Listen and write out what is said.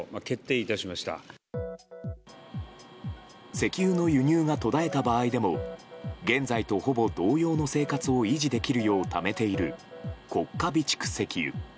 石油の輸入が途絶えた場合でも現在とほぼ同様の生活を維持できるようためている国家備蓄石油。